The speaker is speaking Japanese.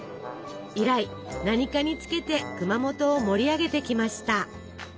以来何かにつけて熊本を盛り上げてきました。